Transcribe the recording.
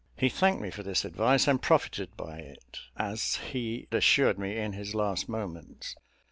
He thanked me for this advice, and profited by it, as he assured me in his last moments.